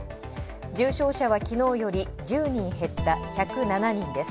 重症者は昨日より減った１０７人です。